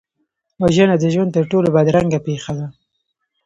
وژنه د ژوند تر ټولو بدرنګه پېښه ده